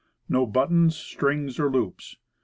No buttons, strings or loops.